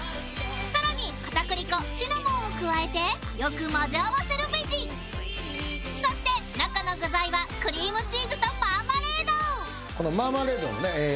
更に片栗粉シナモンを加えてよく混ぜ合わせるベジそして中の具材はクリームチーズとマーマレードこのマーマレードのねええ